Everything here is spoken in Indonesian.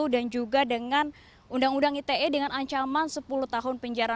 dan juga dengan undang undang ite dengan ancaman sepuluh tahun penjara